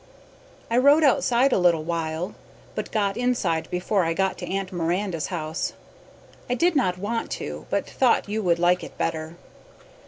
I rode outside a little while, but got inside before I got to Aunt Miranda's house. I did not want to, but thought you would like it better.